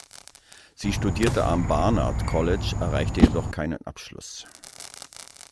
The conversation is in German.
Sie studierte am Barnard College, erreichte jedoch keinen Abschluss.